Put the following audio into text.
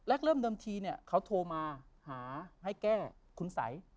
แรกเริ่มเดิมทีเขาโทรมาหาให้แก้คุณสัย